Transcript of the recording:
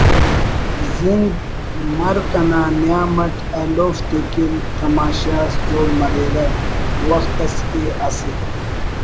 زند مرک انا نیام اٹ ایلوفتے کن تماشہ اس جوڑ مریرہ وخت اس کہ اسہ